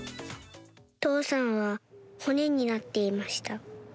父さんは骨になっていました。